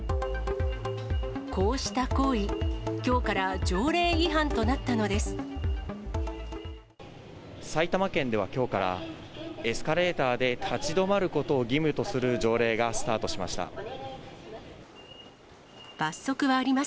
こうした行為、きょうから、埼玉県ではきょうから、エスカレーターで立ち止まることを義務とする条例がスタートしま